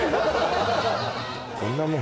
そんなもん